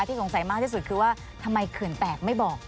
สงสัยมากที่สุดคือว่าทำไมเขื่อนแตกไม่บอก